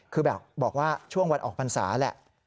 คือแบบบอกว่าช่วงวันออกพรรษาแหละ